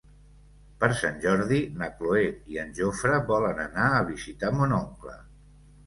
Per Sant Jordi na Cloè i en Jofre volen anar a visitar mon oncle.